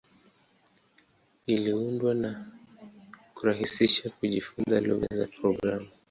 Iliundwa ili kurahisisha kujifunza lugha za programu.